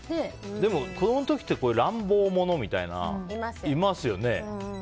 でも子供の時って乱暴者みたいなのいますよね。